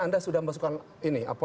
anda sudah masukkan ini